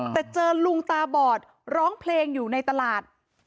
แต่เจอลุงตาบอดร้องเพลงอยู่ในตลาด